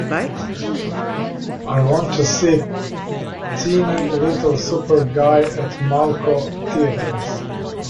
I want to see Teeny Little Super Guy at Malco Theatres